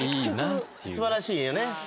素晴らしいよね。